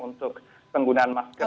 untuk penggunaan masker